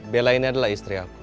bella ini adalah istri aku